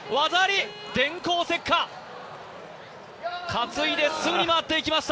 担いですぐに回っていきました、